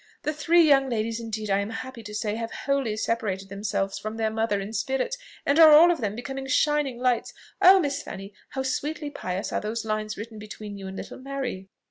"The three young ladies indeed, I am happy to say, have wholly separated themselves from their mother in spirit, and are all of them becoming shining lights. Oh, Miss Fanny! how sweetly pious are those lines written between you and little Mary!"